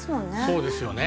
そうですよね。